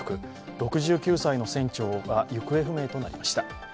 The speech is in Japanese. ６９歳の船長が行方不明となりました。